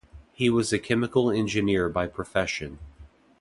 He was a chemical engineer by profession.